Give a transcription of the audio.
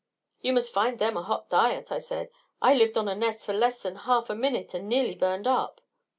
"You must find them a hot diet!" I said. "I lived on a nest of them less than half a minute and nearly burned up."